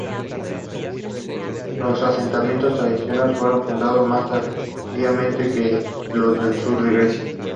Tras su partida, el grupo continúa como trío, publicando dos discos en este periodo.